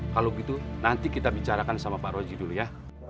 kalau gitu nanti kita bicarakan sama pak rozi dulu ya